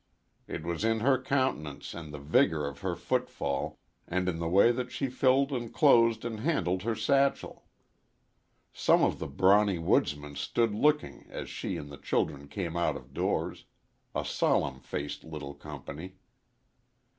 It was in her countenance and the vigor of her foot fall and in the way that she filled and closed and handled her satchel. Some of the brawny woodsmen stood looking as she and the children came out of doors a solemn faced little company.